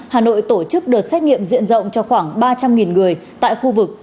hà nội tổ chức đợt xét nghiệm diện rộng cho khoảng ba trăm linh người tại khu vực